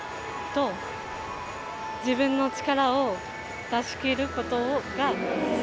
自分の力を出しきることが目標です。